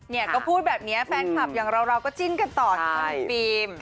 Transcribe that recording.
เนี่ยก็พูดแบบนี้แฟนคลับอย่างเราก็จิ้นกันต่อนะคะคุณฟิล์ม